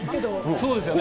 そうですよね。